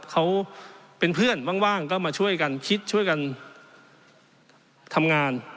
เขาเป็นเพื่อนว่างก็มาช่วยกันคิดช่วยกันทำงาน